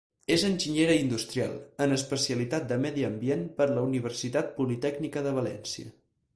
És enginyera industrial, en especialitat de Medi Ambient per la Universitat Politècnica de València.